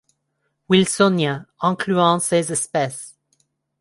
Wilsonia, incluant ces espèces.